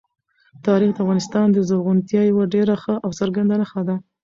تاریخ د افغانستان د زرغونتیا یوه ډېره ښه او څرګنده نښه ده.